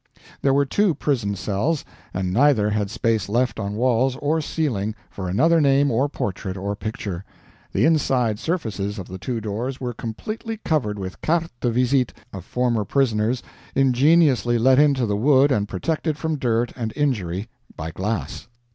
There were two prison cells, and neither had space left on walls or ceiling for another name or portrait or picture. The inside surfaces of the two doors were completely covered with CARTES DE VISITE of former prisoners, ingeniously let into the wood and protected from dirt and injury by glass.